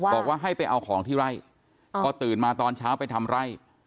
บอกว่าให้ไปเอาของที่ไร่พอตื่นมาตอนเช้าไปทำไร่